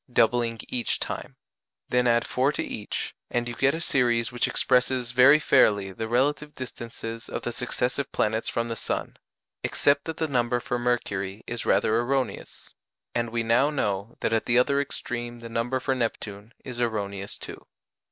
doubling each time; then add 4 to each, and you get a series which expresses very fairly the relative distances of the successive planets from the sun, except that the number for Mercury is rather erroneous, and we now know that at the other extreme the number for Neptune is erroneous too.